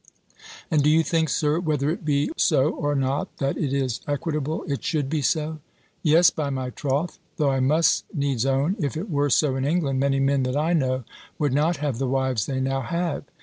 "And do you think, Sir, whether it be so or not, that it is equitable it should be so?" "Yes, by my troth. Though I must needs own, if it were so in England, many men, that I know, would not have the wives they now have."